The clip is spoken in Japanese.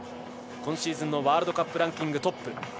今シーズンのワールドカップランキングトップ。